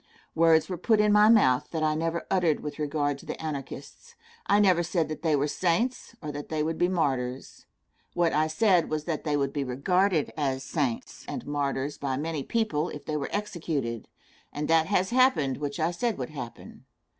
Words were put in my mouth that I never uttered with regard to the Anarchists. I never said that they were saints, or that they would be martyrs. What I said was that they would be regarded as saints and martyrs by many people if they were executed, and that has happened which I said would happen.